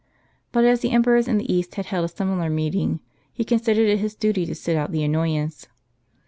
But as the Emperors in the East had held a similar meeting, he considered it his duty to sit out the annoyance.